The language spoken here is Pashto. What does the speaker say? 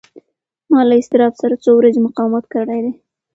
ما له اضطراب سره څو ورځې مقاومت کړی دی.